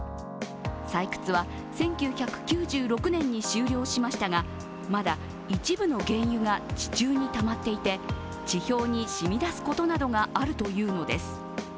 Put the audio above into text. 採掘は１９９６年に終了しましたが、まだ一部の原油が地中にたまっていて地表に染みだすことなどがあるというのです。